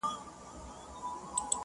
مور بې وسه ده او د حل لاره نه ويني-